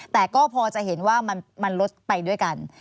แต่ก็พอจะเห็นว่ามันลดไปด้วยกัน